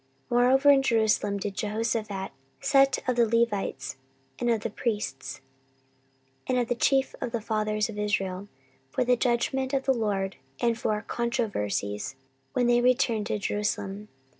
14:019:008 Moreover in Jerusalem did Jehoshaphat set of the Levites, and of the priests, and of the chief of the fathers of Israel, for the judgment of the LORD, and for controversies, when they returned to Jerusalem.